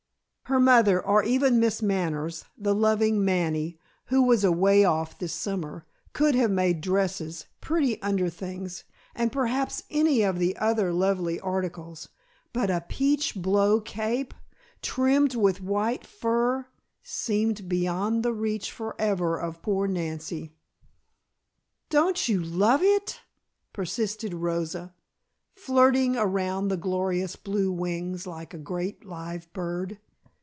Her mother or even Miss Manners (the loving "Manny" who was away off this summer) could have made dresses, pretty under things, and perhaps any of the other lovely articles, but a peach blow cape, trimmed with white fur, seemed beyond the reach forever of poor Nancy. "Don't you love it?" persisted Rosa, flirting around the glorious blue wings, like a great live bird.